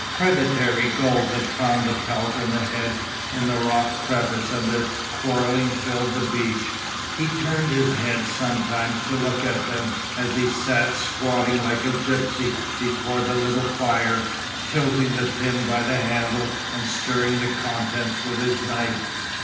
Predatory gulls had found the pelt and the head in the rock crevice and their quarrelling filled the beach. He turned his head sometimes to look at them as he sat squatting like a gipsy before the little fire, tilting the tin by the handle and stirring the contents with his knife.